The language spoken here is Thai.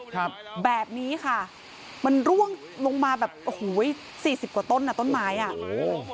ครับแบบนี้ค่ะมันร่วงลงมาแบบโอ้โหสี่สิบกว่าต้นอ่ะต้นไม้อ่ะโอ้โห